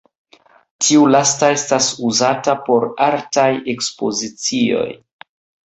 Tiu lasta estas uzata por artaj ekspozicioj.